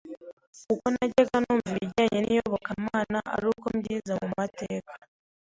kuko najyaga numva ibijyanye n’iyobokamana aruko mbyize mu mateka